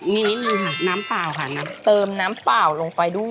มีนิดนึงน้ำเปล่าค่ะเติมน้ำเปล่าลงไปด้วย